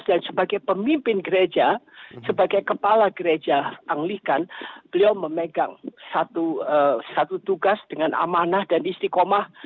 dan sebagai pemimpin gereja sebagai kepala gereja anglikan beliau memegang satu tugas dengan amanah dan istikomah